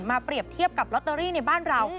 เปรียบเทียบกับลอตเตอรี่ในบ้านเรา